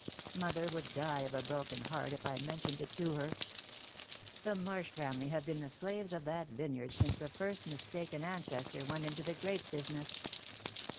Mother would die of a broken heart if I mentioned it to her. The Marsh family have been the slaves of that vineyard since the first mistaken ancestor went into the grape business.